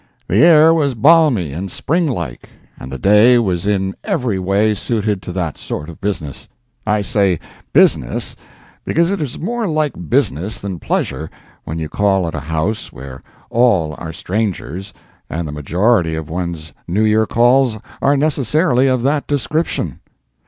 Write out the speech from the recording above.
The air was balmy and spring like, and the day was in every way suited to that sort of business. I say business, because it is more like business than pleasure when you call at a house where all are strangers, and the majority of one's New Year's Calls are necessarily of that description.